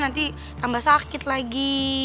nanti tambah sakit lagi